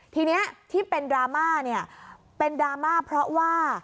ทีนี้ที่เป็นดราม่าเนี่ยเป็นดราม่าเพราะว่า